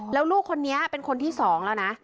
แล้วลูกคนนี้เป็นคนที่๒แล้วนะ